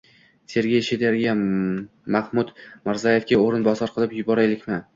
— Sergey, Shrederga — Mahmud Mirzayevga o‘rinbosar qilib yuboraylikmi?